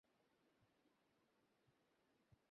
তিনি গুরুতর অসুস্থ হয়ে পড়েন এবং সেখানেই মৃত্যুবরণ করেন।